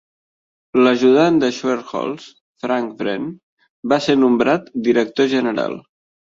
L'ajudant de Schuerholz, Frank Wren, va ser nombrat director general.